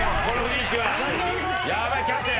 ヤバいキャプテン